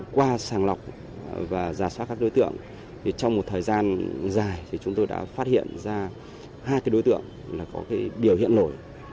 qua sàng lọc và giả soát các đối tượng trong một thời gian dài chúng tôi đã phát hiện ra hai đối tượng có biểu hiện nổi